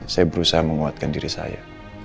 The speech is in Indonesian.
saya berusaha menguatkan diri saya